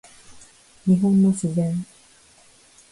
日本の自然